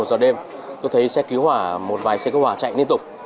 hơn một mươi một giờ đêm tôi thấy xe cứu hỏa một vài xe cứu hỏa chạy liên tục